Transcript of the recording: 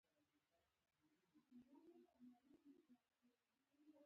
د دوی خلک په ویاړ ژوند کوي.